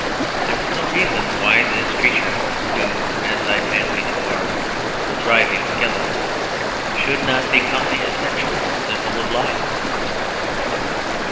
There is no reason why this creature (new, as I fancy, to art), the living skeleton, should not become the essential symbol of life.